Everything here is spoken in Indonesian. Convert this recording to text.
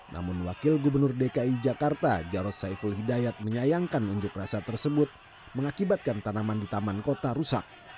namun wakil gubernur dki jakarta jarod saiful hidayat menyayangkan unjuk rasa tersebut mengakibatkan tanaman di taman kota rusak